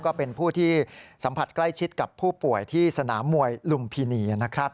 ก็เป็นผู้ที่สัมผัสใกล้ชิดกับผู้ป่วยที่สนามมวยลุมพินีนะครับ